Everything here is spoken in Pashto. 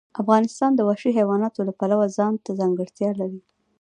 افغانستان د وحشي حیوانات د پلوه ځانته ځانګړتیا لري.